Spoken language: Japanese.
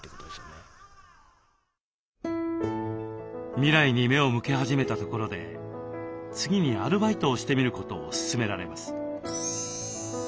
未来に目を向け始めたところで次にアルバイトをしてみることを勧められます。